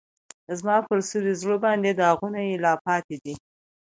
زما پر سوي زړه باندې داغونه یې لا پاتی دي